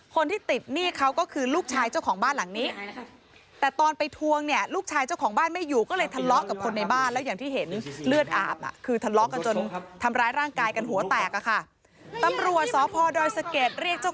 คนที่ติดนะครับก็คือลูกชายเจ้าของบ้านหลังนี้